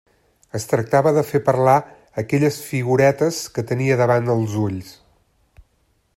Es tractava de fer parlar aquelles figuretes que tenia davant els ulls.